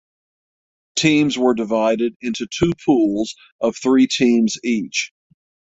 Teams were divided into two pools of three teams each.